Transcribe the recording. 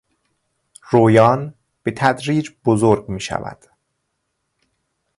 رویان به تدریج بزرگ میشود.